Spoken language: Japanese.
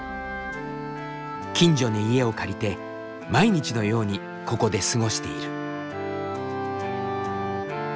近所に家を借りて毎日のようにここで過ごしている。